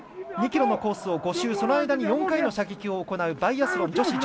２ｋｍのコースを５周その間に５回の射撃を行うバイアスロン。